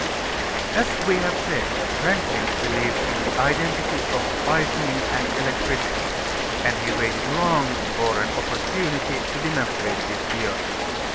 As we have said, Franklin believed in the identity of lightning and electricity, and he waited long for an opportunity to demonstrate his theory.